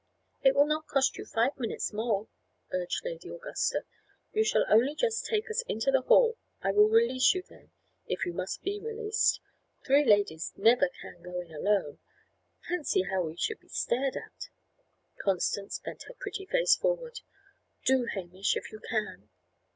"It will not cost you five minutes more," urged Lady Augusta. "You shall only just take us into the hall; I will release you then, if you must be released. Three ladies never can go in alone fancy how we should be stared at!" Constance bent her pretty face forward. "Do, Hamish, if you can!"